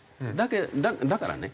だからね